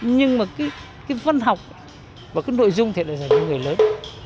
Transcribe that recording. nhưng mà cái văn học và cái nội dung thiệt là dành cho người lớn